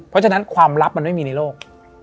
เพราะฉะนั้นความลับมันไม่มีในโลก